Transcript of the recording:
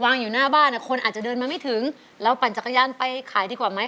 อยู่หน้าบ้านอ่ะคนอาจจะเดินมาไม่ถึงเราปั่นจักรยานไปขายดีกว่าไหม